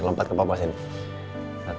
lompat ke papa sini